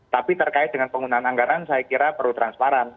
tapi terkait dengan penggunaan anggaran saya kira perlu transparan